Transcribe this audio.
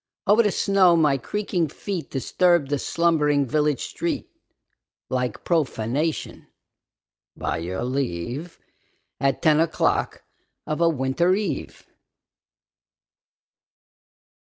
Over the snow my creaking feet Disturbed the slumbering village street Like profanation, by your leave, At ten o'clock of a winter eve.